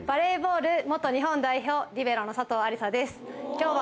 今日は。